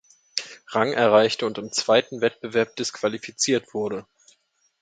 Rang erreichte und im zweiten Wettbewerb disqualifiziert wurde.